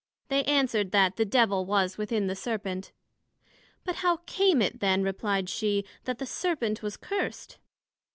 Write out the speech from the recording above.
They answered, That the Devil was within the Serpent. But how came it then, replied she, that the Serpent was cursed?